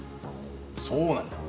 そうなんだ。